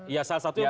ya salah satunya